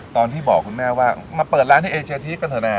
ตอนที่บอกคุณแม่ว่ามาเปิดร้านที่เอเชียทีกันเถอะนะ